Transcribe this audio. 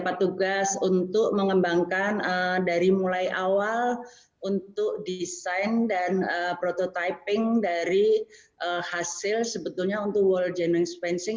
petugas untuk mengembangkan dari mulai awal untuk desain dan prototyping dari hasil sebetulnya untuk world genome sequencing